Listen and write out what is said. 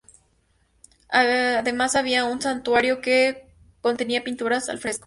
Además, había un santuario que contenía pinturas al fresco.